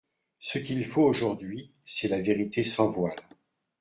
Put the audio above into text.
Ce qu'il faut aujourd'hui, c'est la vérité sans voiles.